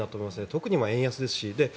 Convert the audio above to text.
特に今、円安ですし。